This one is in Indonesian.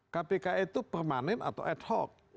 kpk itu permanen atau ad hoc